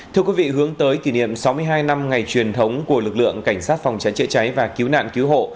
thưa quý vị hướng tới kỷ niệm sáu mươi hai năm ngày truyền thống của lực lượng cảnh sát phòng cháy chữa cháy và cứu nạn cứu hộ